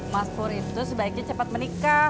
mas pur itu sebaiknya cepat menikah